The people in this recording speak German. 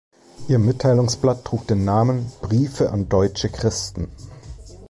Ihr Mitteilungsblatt trug den Namen "Briefe an Deutsche Christen".